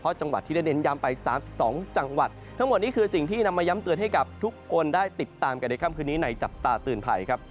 เพราะจังหวัดที่ได้เน้นย้ำไป๓๒จังหวัดทั้งหมดนี้คือสิ่งที่นำมาย้ำเตือนให้กับทุกคนได้ติดตามกันในค่ำคืนนี้ในจับตาเตือนภัยครับ